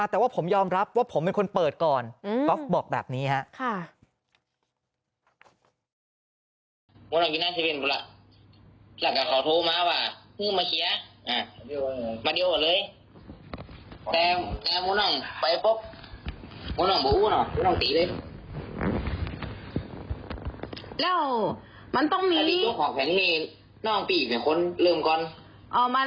แต่ว่าผมยอมรับว่าผมเป็นคนเปิดก่อนก๊อฟบอกแบบนี้ครับ